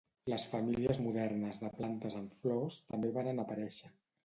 Les famílies modernes de plantes amb flors també varen aparèixer.